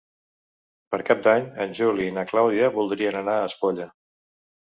Per Cap d'Any en Juli i na Clàudia voldrien anar a Espolla.